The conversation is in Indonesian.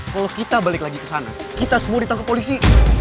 kalau kita balik lagi ke sana kita semua ditangkap polisi